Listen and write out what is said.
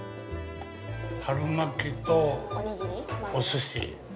◆春巻きとおすし。